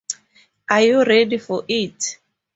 Are you ready for it?